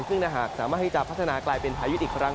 ซึ่งถ้าหากสามารถที่จะพัฒนากลายเป็นพายุอีกครั้ง